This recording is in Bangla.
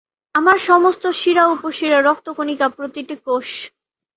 আমার সমস্ত শিরা উপশিরা, রক্ত কণিকা, প্রতিটি কোষ -